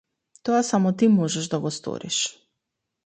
Тоа само ти можеш да го сториш.